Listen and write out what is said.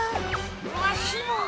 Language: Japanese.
わしも。